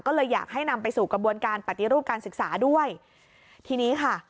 ก็เลยอยากให้นำไปสู่กระบวนการปฏิรูปการศึกษาด้วยทีนี้ค่ะ